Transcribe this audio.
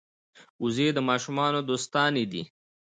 وزې د ماشومانو دوستانې دي